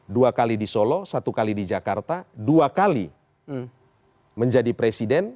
dua kali di solo satu kali di jakarta dua kali menjadi presiden